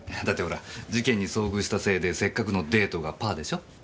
だってほら事件に遭遇したせいでせっかくのデートがパアでしょ？